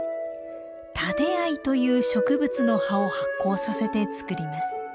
「タデアイ」という植物の葉を発酵させて作ります。